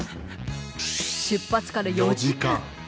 出発から４時間。